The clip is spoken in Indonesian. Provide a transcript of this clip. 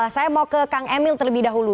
saya mau ke kang emil terlebih dahulu